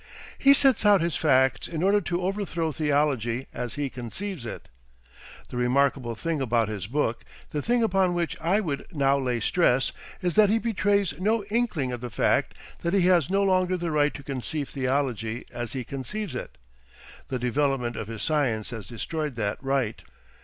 He sets out his facts in order to overthrow theology as he conceives it. The remarkable thing about his book, the thing upon which I would now lay stress, is that he betrays no inkling of the fact that he has no longer the right to conceive theology as he conceives it. The development of his science has destroyed that right.